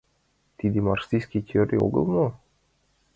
Тиде марксистский теорий огыл мо?..